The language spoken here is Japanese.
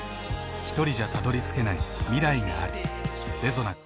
ひとりじゃたどりつけない未来がある。